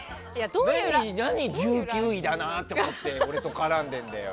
何、１９位だなって俺と絡んでんだよ。